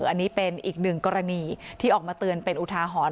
อันนี้เป็นอีกหนึ่งกรณีที่ออกมาเตือนเป็นอุทาหรณ์